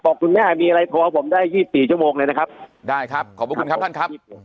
คุณแม่มีอะไรโทรผมได้๒๔ชั่วโมงเลยนะครับได้ครับขอบคุณครับท่านครับ